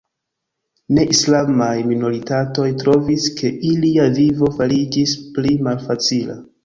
Ne-islamaj minoritatoj trovis ke ilia vivo fariĝis pli malfacila.